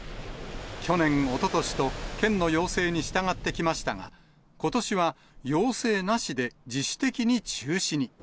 去年、おととしと、県の要請に従ってきましたが、ことしは要請なしで自主的に中止に。